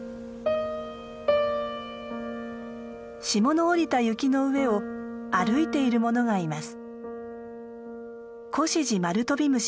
霜の降りた雪の上を歩いているものがいます。